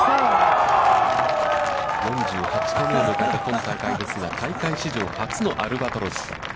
４８回目を迎えた今大会ですが、大会史上初のアルバトロス。